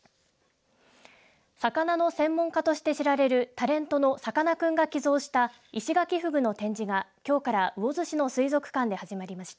魚の専門家として知られるタレントのさかなクンが寄贈したイシガキフグの展示がきょうから魚津市の水族館で始まりました。